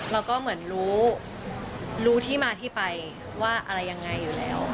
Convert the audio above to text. แล้วก็เหมือนรู้ที่มาที่ไปว่าอะไรยังไงอยู่แล้ว